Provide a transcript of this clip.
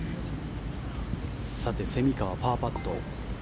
蝉川、パーパット。